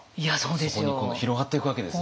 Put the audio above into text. そこに今度広がっていくわけですね。